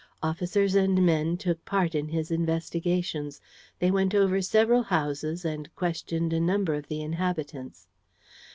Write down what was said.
Officers and men took part in his investigations. They went over several houses and questioned a number of the inhabitants.